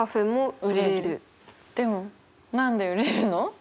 でもでも何で売れるの？